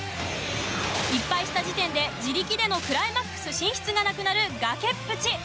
１敗した時点で、自力でのクライマックス進出がなくなる崖っぷち。